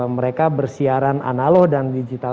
mereka bersiaran analog dan digital